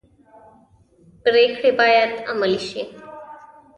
پریکړې باید عملي شي